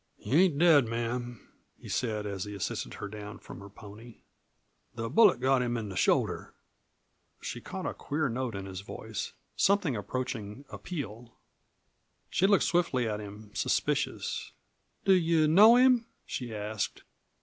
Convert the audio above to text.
"He ain't dead, ma'am," he said as he assisted her down from her pony. "The bullet got him in the shoulder." She caught a queer note in his voice something approaching appeal. She looked swiftly at him, suspicious. "Do you know him?" she asked.